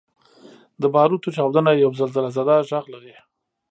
• د باروتو چاودنه یو زلزلهزده ږغ لري.